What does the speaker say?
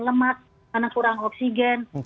lemat karena kurang oksigen